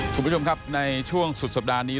คุณผู้ชมครับในช่วงสุดสัปดาห์นี้